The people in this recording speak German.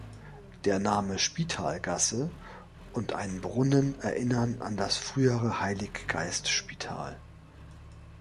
Der Name "Spitalgasse" und ein Brunnen erinnern an das frühere Heilig-Geist-Spital.